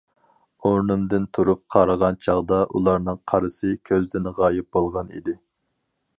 ئورنۇمدىن تۇرۇپ قارىغان چاغدا ئۇلارنىڭ قارىسى كۆزدىن غايىب بولغان ئىدى.